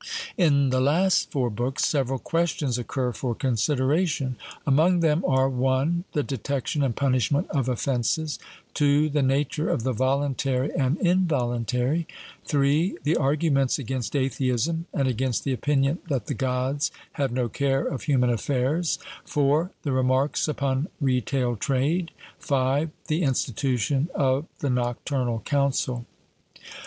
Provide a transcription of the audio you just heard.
In the last four books, several questions occur for consideration: among them are (I) the detection and punishment of offences; (II) the nature of the voluntary and involuntary; (III) the arguments against atheism, and against the opinion that the Gods have no care of human affairs; (IV) the remarks upon retail trade; (V) the institution of the Nocturnal Council.